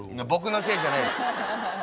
僕のせいじゃないです。